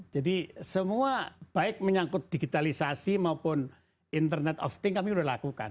jadi semua baik menyangkut digitalisasi maupun internet of thing kami sudah lakukan